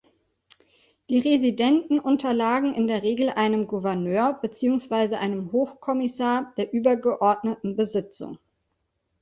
Die Residenten unterlagen in der Regel einem Gouverneur beziehungsweise einem Hochkommissar der übergeordneten Besitzung.